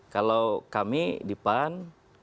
kalau kami di pan